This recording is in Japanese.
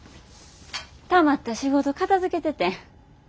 たまった仕事片づけててん。